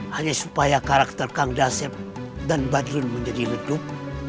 hanya supaya karakter kang dasip dan badrun menjadi redup